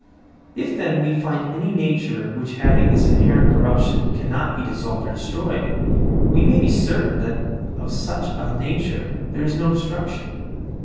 If, then, we find any nature which having this inherent corruption cannot be dissolved or destroyed, we may be certain that of such a nature there is no destruction?